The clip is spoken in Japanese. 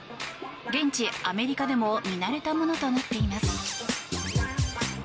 現地アメリカでも見慣れたものとなっています。